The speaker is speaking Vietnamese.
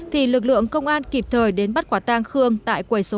thì lực lượng công an kịp thời đến bắt quả tang khương tại quầy số năm